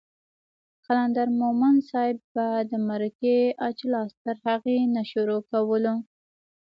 قلندر مومند صاحب به د مرکې اجلاس تر هغې نه شروع کولو